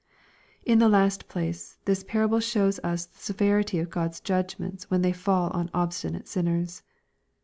In the last place, this parable shows us the severity of God^ s judgments when they fall on obstinate sinners.